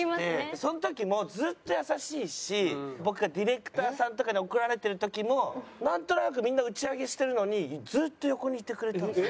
その時もずっと優しいし僕がディレクターさんとかに怒られてる時もなんとなくみんな打ち上げしてるのにずっと横にいてくれたんですよ。